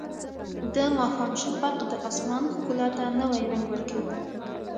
د ماښام شفق د اسمان ښکلا ته نوی رنګ ورکوي.